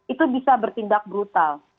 itu bisa bertindak brutal